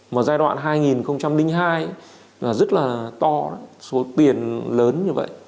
một giai đoạn hai nghìn hai là rất là to số tiền lớn như vậy